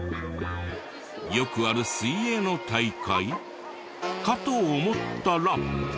よくある水泳の大会かと思ったら。